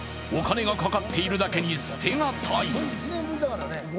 お金がかかっているだけに捨てがたい。